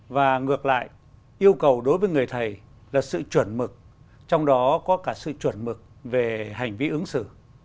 và ngược lại yêu cầu đối với người thầy là sự chuẩn mực trong đó có cả sự chuẩn mực về hành vi ứng xử